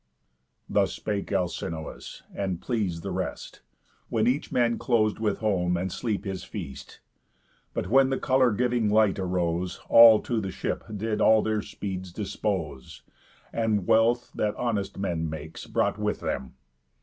Thus spake Alcinous, and pleas'd the rest; When each man clos'd with home and sleep his feast. But when the colour giving light arose, All to the ship did all their speeds dispose, And wealth, that honest men makes, brought with them.